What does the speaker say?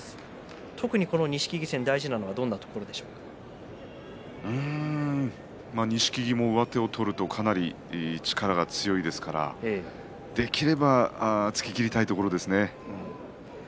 特に錦木戦錦木も上手を取るとかなり力が強いですからできれば突ききりたいところですね。